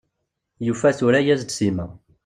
Yufa tura-yas-d Sima.